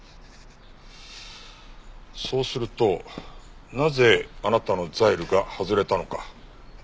そうするとなぜあなたのザイルが外れたのか。